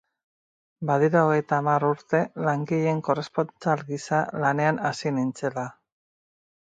Badira hogeita hamar urte langileen korrespontsal gisa lanean hasi nintzela.